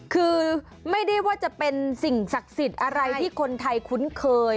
คือไม่ได้ว่าจะเป็นสิ่งศักดิ์สิทธิ์อะไรที่คนไทยคุ้นเคย